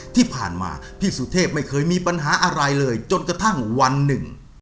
ที่ผ่านมาพี่สุเทพไม่เคยมีปัญหาอะไรเลยจนกระทั่งวันหนึ่ง